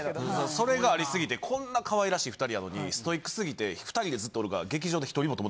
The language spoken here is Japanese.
それがありすぎてこんなかわいらしい２人やのにストイックすぎて２人でずっとおるから。